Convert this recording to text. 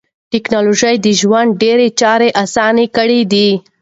ټکنالوژي د ژوند ډېری چارې اسانه کړې دي.